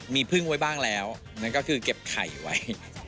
มีพึ่งไว้บ้างแล้วนั่นก็คือเก็บไข่ไว้